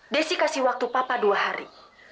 desi kasih waktu papa dua hari